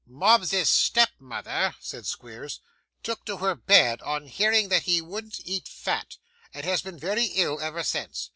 'Mobbs's step mother,' said Squeers, 'took to her bed on hearing that he wouldn't eat fat, and has been very ill ever since.